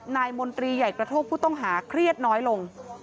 มนตรีใหญ่กระโทกผู้ต้องหาเครียดน้อยลง